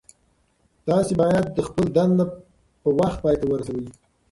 تاسو باید خپله دنده په وخت پای ته ورسوئ.